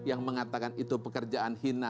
yang mengatakan itu pekerjaan hina